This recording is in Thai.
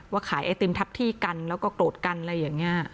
ขายไอติมทับที่กันแล้วก็โกรธกันอะไรอย่างนี้